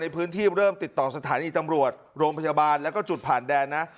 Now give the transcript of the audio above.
พื้นที่เริ่มติดต่อสถานีตำรวจโรงพยาบาลแล้วก็จุดผ่านแดนนะ